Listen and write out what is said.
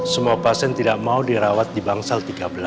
semua pasien tidak mau dirawat di bangsal tiga belas